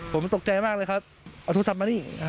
ผมตกใจมากเลยครับเอาโทรศัพท์มานี่